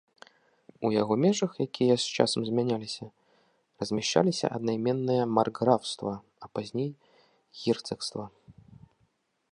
У яго межах, якія з часам змяняліся, размяшчаліся аднайменныя маркграфства, а пазней герцагства.